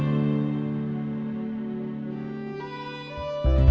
aku mau ke sana